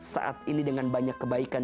saat ini dengan banyak kebaikan